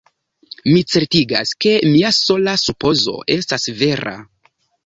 Mi certigas, ke mia sola supozo estas vera.